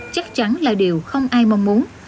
chắc chắn là điều không ai mong muốn